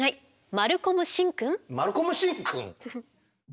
マルコム・シンくん？